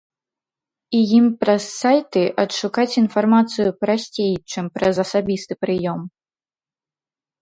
І ім праз сайты адшукаць інфармацыю прасцей, чым праз асабісты прыём.